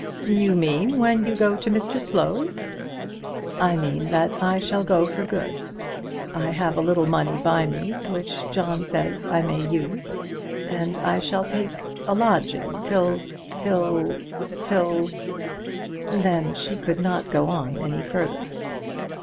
"You mean when you go to Mr Slow's?" "I mean that I shall go for good. I have a little money by me, which John says I may use, and I shall take a lodging till till till " Then she could not go on any further.